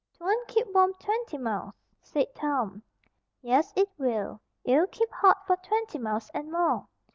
"'Twon't keep warm twenty miles," said Tom. "Yes 'twill. It'll keep HOT for twenty miles and more.